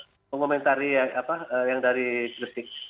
saya mau komentari yang dari gresik